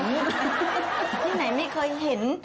ที่ไหนไม่เคยเห็น